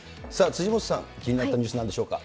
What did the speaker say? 辻本さん、気になったニュースなんでしょうか。